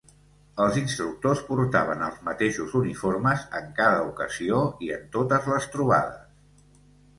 Els instructors portaven els mateixos uniformes en cada ocasió i en totes les trobades.